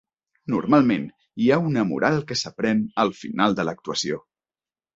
Normalment hi ha una moral que s'aprèn al final de l'actuació.